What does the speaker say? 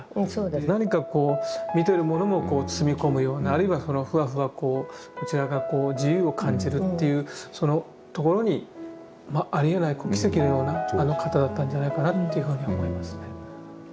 何かこう見てるものもこう包み込むようなあるいはふわふわこうこちらがこう自由を感じるというそのところにありえない奇跡のような方だったんじゃないかなっていうふうに思いますね。